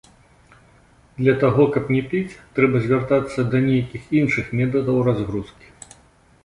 Для таго каб не піць, трэба звяртацца да нейкіх іншых метадаў разгрузкі.